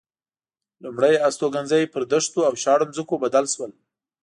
لومړ هستوګنځي پر دښتو او شاړو ځمکو بدل شول.